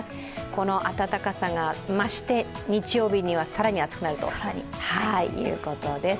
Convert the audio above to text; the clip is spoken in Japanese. この暖かさが増して、日曜日には更に暑くなるということです。